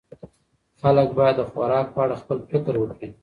خلک باید د خوراک په اړه خپل فکر وکړي.